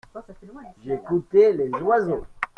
J’écoutais les oiseaux.